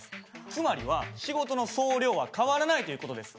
つまりは仕事の総量は変わらないという事です。